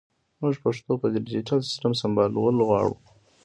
مونږ پښتو په ډیجېټل سیسټم سمبال غواړو